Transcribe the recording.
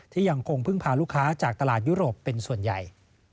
ยังคงพึ่งพาลูกค้าจากตลาดยุโรปเป็นส่วนใหญ่